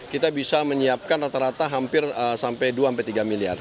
kita bisa menyiapkan rata rata hampir sampai dua tiga miliar